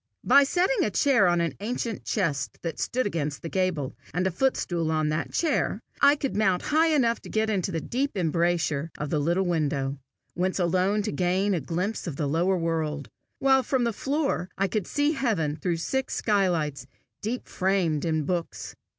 By setting a chair on an ancient chest that stood against the gable, and a footstool on the chair, I could mount high enough to get into the deep embrasure of the little window, whence alone to gain a glimpse of the lower world, while from the floor I could see heaven through six skylights, deep framed in books.